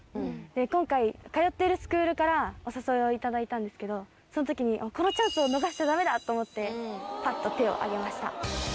今回通ってるスクールからお誘いをいただいたんですけどその時にこのチャンスを逃しちゃダメだ！と思ってパッと手を挙げました。